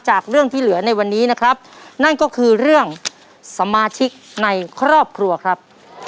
จากเรื่องที่เหลือในวันนี้นะครับนั่นก็คือเรื่องสมาชิกในครอบครัวครับ